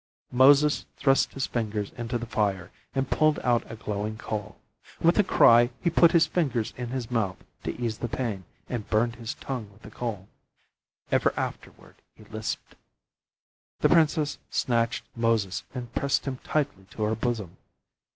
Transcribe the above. Moses thrust his fingers into the fire and pulled out a glowing coal. With a cry, he put his fingers in his mouth to ease the pain and burned his tongue with the coal. Ever afterward he lisped. The princess snatched Moses and pressed him tightly to her bosom.